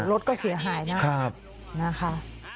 รถก็เสียหายนะครับนะฮะ